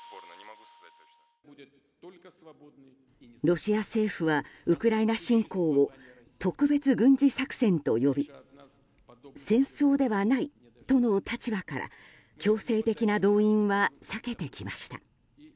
ロシア政府はウクライナ侵攻を特別軍事作戦と呼び戦争ではないとの立場から強制的な動員は避けてきました。